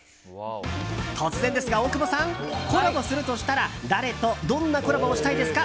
突然ですが、大久保さんコラボするとしたら、誰とどんなコラボをしたいですか？